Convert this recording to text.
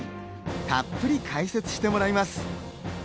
たっぷり解説してもらいます。